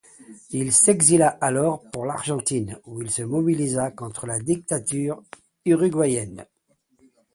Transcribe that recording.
Il s'exila alors pour l'Argentine, où il se mobilisa contre la dictature uruguayenne.